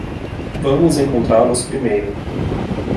Vamos encontrá-los primeiro.